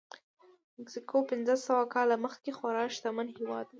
مکسیکو پنځه سوه کاله مخکې خورا شتمن هېواد و.